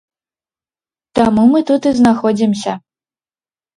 Таму мы тут і знаходзімся.